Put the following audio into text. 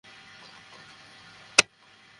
শুনতে অবিশ্বাস্য লাগছে!